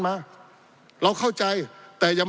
ปี๑เกณฑ์ทหารแสน๒